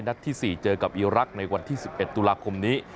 ที่๔เจอกับอีรักษ์ในวันที่๑๑ตุลาคมนี้